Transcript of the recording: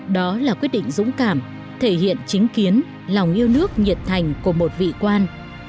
đó là quyết định dũng cảm thể hiện chính kiến lòng yêu nước nhiệt thành của một vị quan